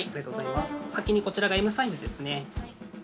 お先にこちらがＭサイズですね。